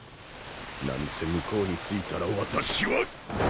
何せ向こうに着いたら私は！